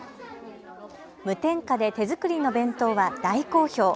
無添加で手作りの弁当は大好評。